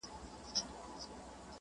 عاشقان د ترقۍ د خپل وطن یو!.